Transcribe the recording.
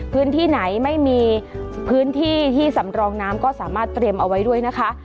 พื้นที่ไหนไม่มีพื้นที่ที่สำรองน้ำก็สามารถเตรียมเอาไว้ด้วยนะคะ